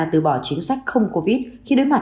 từ bỏ chính sách không covid khi đối mặt